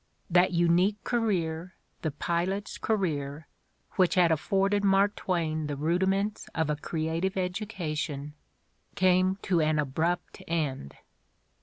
That unique career, the pilot's career, which had af forded Mark Twain the rudiments of a creative edu cation, came to an abrupt end.